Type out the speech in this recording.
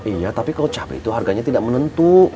iya tapi kalau cabai itu harganya tidak menentu